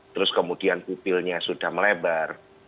terus kemudian pupilnya sudah melebar